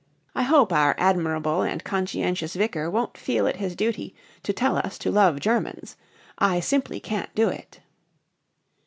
I hope our admirable and conscientious Vicar won't feel it his duty to tell us to love Germans. I simply can't do it.